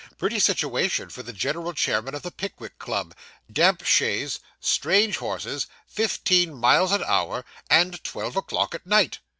'Pretty situation for the general chairman of the Pickwick Club. Damp chaise strange horses fifteen miles an hour and twelve o'clock at night!